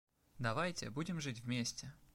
Давайте — будем жить вместе!